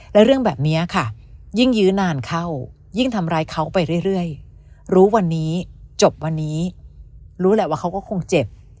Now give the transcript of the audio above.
และเรื่องแบบนี้ค่ะยิ่งยื้อนานเข้ายิ่งทำร้ายเขาไปเรื่อยรู้วันนี้จบวันนี้รู้แหละว่าเขาก็คงเจ็บ